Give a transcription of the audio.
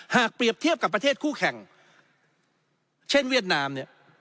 เปรียบเทียบกับประเทศคู่แข่งเช่นเวียดนามเนี่ย